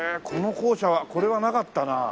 この校舎はこれはなかったな。